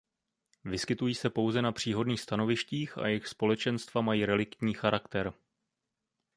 Vyskytují se pouze na příhodných stanovištích a jejich společenstva mají reliktní charakter.